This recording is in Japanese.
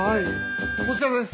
こちらです。